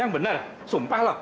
yang bener sumpah loh